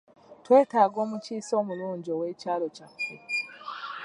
Twetaaga omukiise omulungi ow'ekyalo kyaffe.